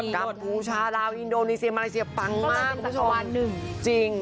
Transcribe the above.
กับภูชาลาวอินโดนีเซียมาเลเซียปังมาก